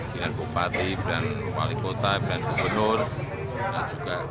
dengan bupati dengan wali kota dengan gubernur dan juga